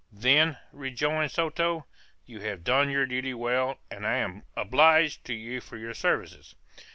"Then," rejoined Soto, "You have done your duty well, and I am obliged to you for your services."